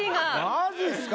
マジっすか？